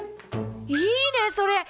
いいねそれ！